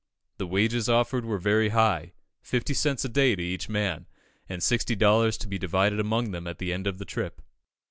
The wages offered were very high fifty cents a day to each man, and sixty dollars to be divided among them at the end of the trip.